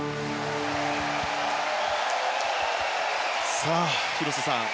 さあ、広瀬さん